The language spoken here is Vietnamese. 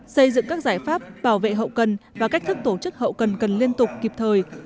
xây dựng các giải pháp bảo vệ hậu cần và cách thức tổ chức hậu cần cần liên tục kịp thời